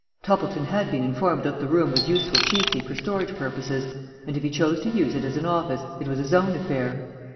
Toppleton had been informed that the room was useful chiefly for storage purposes, and if he chose to use it as an office, it was his own affair.